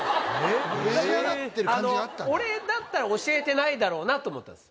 俺だったら教えてないだろうなと思ったんです